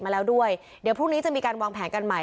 มาแล้วด้วยเดี๋ยวพรุ่งนี้จะมีการวางแผนกันใหม่